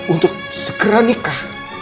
untuk segera nikah